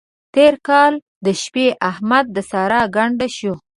تېر کال دا شپې احمد د سارا ګنډه شو.